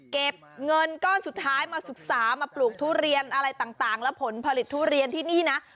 เก็บเงินก้อนสุดท้ายมาศึกษามาปลูกทุเรียนอะไรต่างและผลผลิตทุเรียนที่นี่นะ